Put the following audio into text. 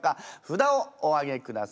札をお上げください。